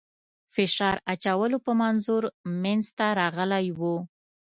فشار اچولو په منظور منځته راغلی وو.